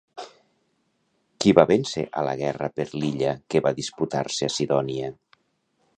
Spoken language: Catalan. Qui va vèncer a la guerra per l'illa que va disputar-se a Cidònia?